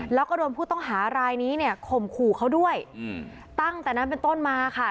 แล้วก็โดนผู้ต้องหารายนี้เนี่ยข่มขู่เขาด้วยอืมตั้งแต่นั้นเป็นต้นมาค่ะ